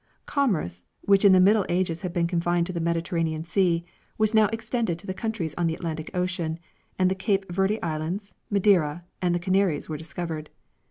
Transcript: Commerce, which in the middle ages had been confined to the Mediterranean sea, was now ex tended to the countries on the Atlantic ocean, and the Cape Verde islands, Madeira, and the Canaries were discovered.